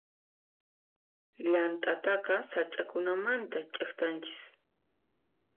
Llant'ataqa sach'akunamanta ch'iktanchis.